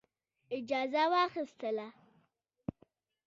اجازه واخیستله.